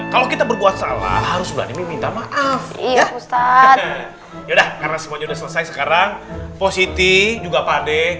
kalau kita berbuat salah harus minta maaf ya ustadz karena sekarang positi juga pade